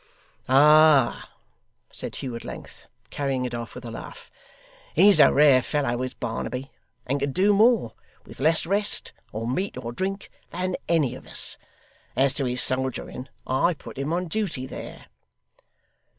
'Ah!' said Hugh at length, carrying it off with a laugh: 'He's a rare fellow is Barnaby, and can do more, with less rest, or meat, or drink, than any of us. As to his soldiering, I put him on duty there.